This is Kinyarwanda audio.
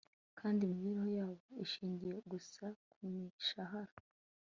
kandi imibereho yabo ishingiye gusa ku mishahara